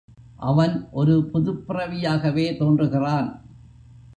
அவன் ஒரு புதுப் பிறவியாகவே தோன்றுகிறான்.